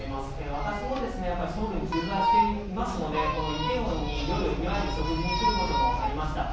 私もやっぱりソウルに駐在していますので、このイテウォンに夜、いわゆる食事に来ることもありました。